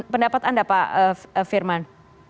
pendapat anda pak firman